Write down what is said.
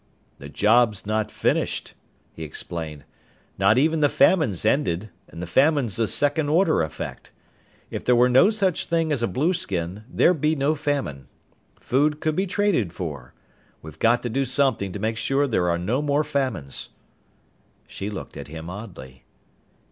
"The job's not finished," he explained. "Not even the famine's ended, and the famine's a second order effect. If there were no such thing as a blueskin, there'd be no famine. Food could be traded for. We've got to do something to make sure there are no more famines." She looked at him oddly.